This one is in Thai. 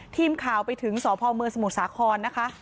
ทีมข่าวไปถึงสพเมืองสมุทรสาครนะคะ